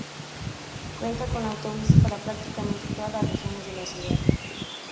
Cuenta con autobuses para prácticamente todas las regiones de la ciudad.